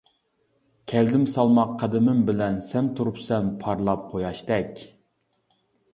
كەلدىم سالماق قەدىمىم بىلەن، سەن تۇرۇپسەن پارلاپ قۇياشتەك.